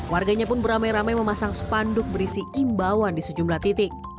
warganya pun beramai ramai memasang spanduk berisi imbauan di sejumlah titik